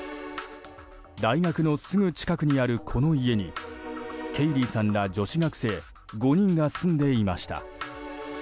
大学のすぐ近くにある、この家にケイリーさんら女子学生５人が住んでいました。